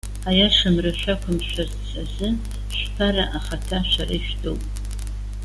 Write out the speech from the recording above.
Аиашамра шәақәымшәарц азы, шәԥара ахаҭа шәара ишәтәуп.